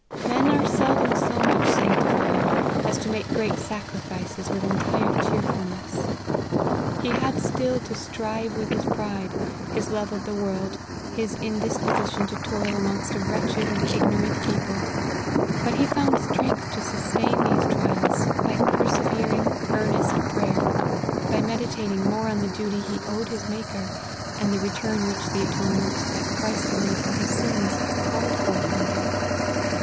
Men are seldom so much sanctified, as to make great sacri fices with entire cheerfulness. He had still to strive with his pride, his love of the world, his indisposi tion to toil amongst a wretched and ignorant people ; but he found strength to sustain these trials by per LIFE OF HENRY MARTYN. 23 severing, earnest prayer ; by meditating more on the duty he owed his Maker, and the return which the atonement that Christ had made for his sins, called for from him.